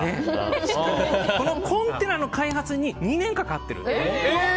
このコンテナの開発に２年かかっている。